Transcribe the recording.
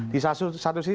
di satu sini